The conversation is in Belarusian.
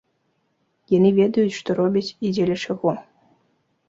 Яны ведаюць, што робяць і дзеля чаго.